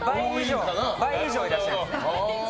倍以上いらっしゃいます。